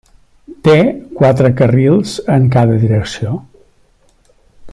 Té quatre carrils en cada direcció.